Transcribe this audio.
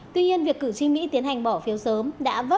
tuy nhiên việc cử tri mỹ tiến hành bỏ phiếu sớm trong cuộc bầu cử lần này